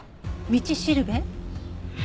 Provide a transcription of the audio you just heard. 道しるべ？